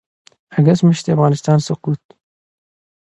اګسټ میاشتې د افغانستان سقوط